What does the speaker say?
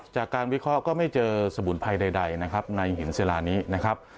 จากการวิเคราะห์ก็ไม่เจอสมุนไพรใดนะครับในหินศิลานี้นะครับ